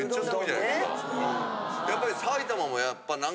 やっぱり。